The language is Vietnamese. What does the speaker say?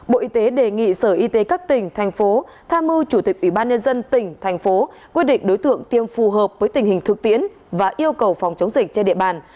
bộ y tế đề nghị sở y tế các tỉnh thành phố tham mưu chủ tịch ủy ban nhân dân tỉnh thành phố quyết định đối tượng tiêm phù hợp với tình hình thực tiễn và yêu cầu phòng chống dịch trên địa bàn